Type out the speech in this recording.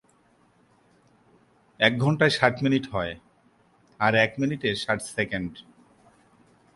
এক ঘন্টায় ষাট মিনিট হয়, আর এক মিনিটে ষাট সেকেন্ড।